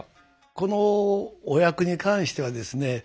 このお役に関してはですね